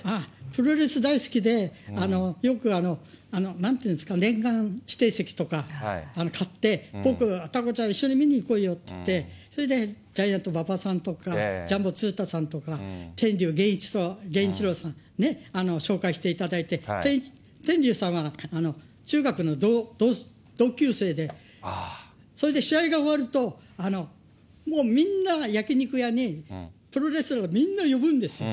プロレス大好きで、よくなんていうんですか、年間指定席とか買って、僕、隆夫ちゃん、一緒に見に行こうよっていって、それでジャイアント馬場さんとか、ジャンボ鶴田さんとか、天龍源一郎さん、紹介していただいて、天龍さんは中学の同級生で、それで試合が終わると、もうみんなが焼き肉屋に、プロレスラー、みんな呼ぶんですよ。